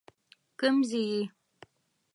کيم ځي ئې